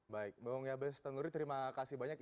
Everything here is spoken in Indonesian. baik bang yabez tanuri terima kasih banyak